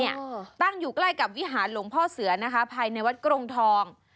ตั้งอยู่ใกล้กับวิหารหลวงพ่อเสือนะคะภายในวัดกรงทอง